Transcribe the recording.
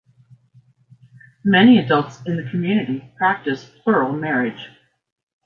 Many adults in the community practice plural marriage.